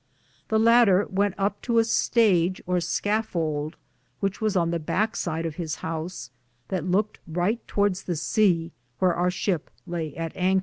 This lader went up to a stage or scaffould which was on the backesid of his house, that louked righte towardes the sea wheare our shipp lay at an anker.